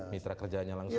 mitra kerjaannya langsung